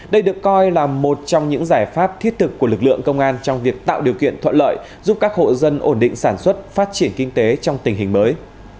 đây được coi là một trong những giải pháp thiết thực của lực lượng công an trong việc tạo điều kiện thuận lợi giúp các hộ dân ổn định sản xuất phát triển kinh tế trong tình hình mới